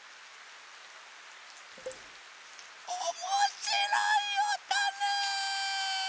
おもしろいおとね！